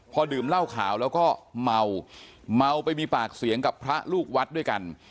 พอดื่มเหล้าขาวแล้วก็เมาเมาไปมีปากเสียงกับพระลูกวัดด้วยกัน